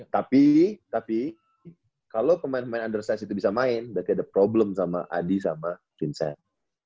tapi tapi kalau pemain pemain undercise itu bisa main berarti ada problem sama adi sama vincent